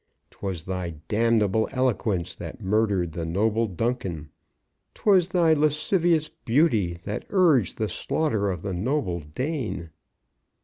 'Twas thy damnable eloquence that murdered the noble Duncan. 'Twas thy lascivious beauty that urged the slaughter of the noble Dane.